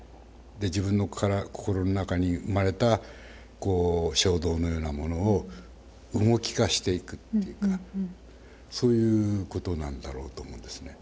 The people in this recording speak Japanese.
で自分の心の中に生まれた衝動のようなものを動き化していくっていうかそういうことなんだろうと思うんですね。